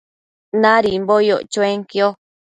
Nadimbo yoc chuenquio